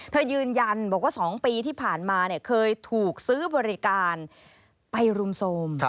ยืนยันบอกว่า๒ปีที่ผ่านมาเคยถูกซื้อบริการไปรุมโทรม